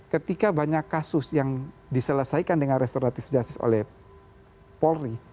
ketika banyak kasus yang diselesaikan dengan restoratif justice oleh polri